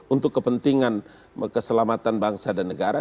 untuk kepentingan keselamatan bangsa dan negara